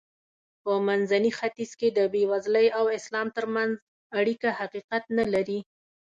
په منځني ختیځ کې د بېوزلۍ او اسلام ترمنځ اړیکه حقیقت نه لري.